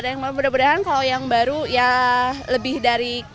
ada yang baru mudah mudahan kalau yang baru ya lebih dari kang emil